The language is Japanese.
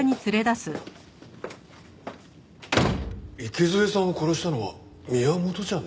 池添さんを殺したのは宮本じゃない？